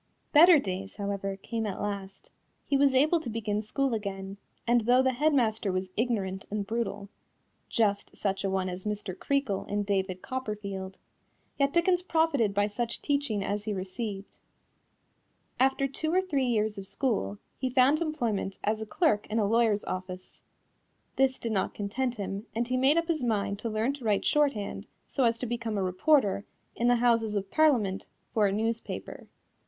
Better days, however, came at last. He was able to begin school again, and though the head master was ignorant and brutal (just such a one as Mr. Creakle in David Copperfield) yet Dickens profited by such teaching as he received. After two or three years of school, he found employment as clerk in a lawyer's office. This did not content him and he made up his mind to learn to write shorthand so as to become a reporter, in the Houses of Parliament, for a newspaper.